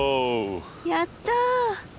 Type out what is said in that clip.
やった！